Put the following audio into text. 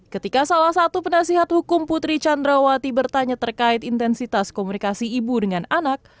ketika salah satu penasihat hukum putri candrawati bertanya terkait intensitas komunikasi ibu dengan anak